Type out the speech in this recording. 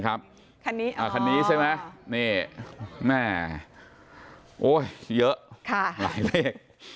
นะครับคันนี้คันนี้ใช่ไหมนี่แม่โอ้ยเยอะค่ะหลายเลข